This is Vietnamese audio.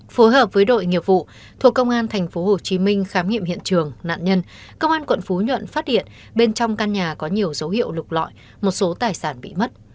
phối hợp với đội nghiệp vụ thuộc công an tp hcm khám nghiệm hiện trường nạn nhân công an quận phú nhuận phát hiện bên trong căn nhà có nhiều dấu hiệu lục lọi một số tài sản bị mất